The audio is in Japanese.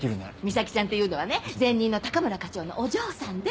美咲ちゃんっていうのはね前任の高村課長のお嬢さんで。